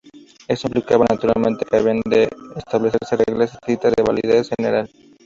Esto implicaba naturalmente que habían de establecerse reglas escritas de validez general.